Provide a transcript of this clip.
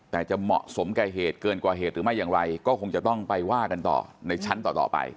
แต่จะเหมาะสมแก่เหตุเกินกว่าเหตุหรือไม่อย่างไรก็คงจะต้องไปว่ากันต่อในชั้นต่อไป